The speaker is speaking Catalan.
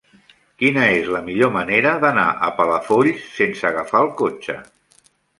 Quina és la millor manera d'anar a Palafolls sense agafar el cotxe?